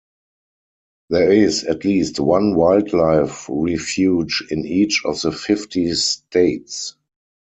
There is at least one wildlife refuge in each of the fifty states.